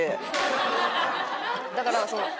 だからその。